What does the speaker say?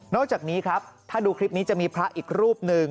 จากนี้ครับถ้าดูคลิปนี้จะมีพระอีกรูปหนึ่ง